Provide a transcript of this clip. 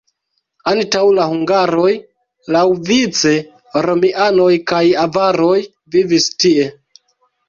Antaŭ la hungaroj laŭvice romianoj kaj avaroj vivis tie.